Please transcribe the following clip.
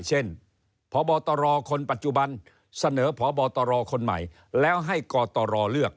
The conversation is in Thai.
เช่นพบตรคนปัจจุบันเสนอพบตรคนใหม่แล้วให้กตรเลือก